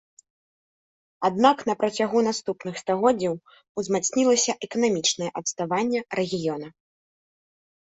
Аднак на працягу наступных стагоддзяў узмацнілася эканамічнае адставанне рэгіёна.